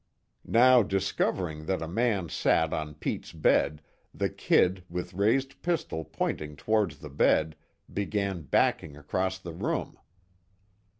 Now discovering that a man sat on Pete's bed, the "Kid" with raised pistol pointing towards the bed, began backing across the room.